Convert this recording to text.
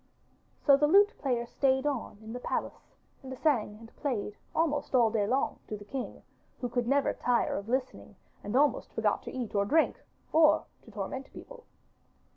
So the lute player stayed on in the palace and sang and played almost all day long to the king, who could never tire of listening and almost forgot to eat or drink or to torment people.